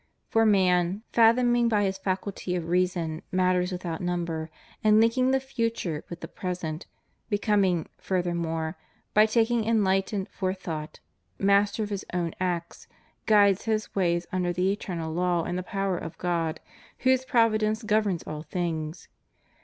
For man, faiihoming by his faculty of reason matters without munber, and linking the future with the present, becoming, furthermore, by taking enlightened forethought, master of his own acts, guides his ways under the eternal law and the power of God, whose providence governs all things.